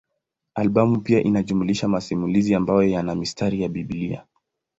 Albamu pia inajumuisha masimulizi ambayo yana mistari ya Biblia.